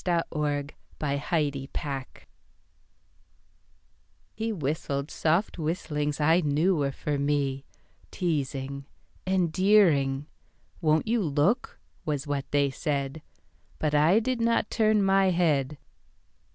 In the Park Helen Hoyt HE whistled soft whistlings I knew were for me, Teasing, endearing. Won't you look? was what they said, But I did not turn my head.